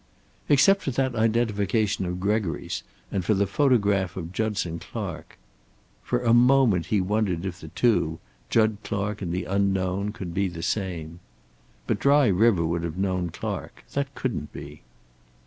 Except for that identification of Gregory's, and for the photograph of Judson Clark.... For a moment he wondered if the two, Jud Clark and the unknown, could be the same. But Dry River would have known Clark. That couldn't be.